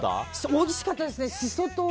おいしかったですね。